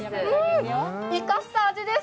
イカした味です！